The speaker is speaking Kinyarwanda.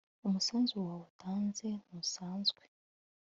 umusanzu wawe utanzentusanzwe